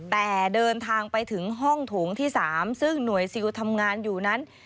แต่เดินทางไปถึงห้องโถงที่๓ซึ่งหน่วยซิลทำงานอยู่นั้น